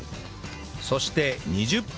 そして２０分後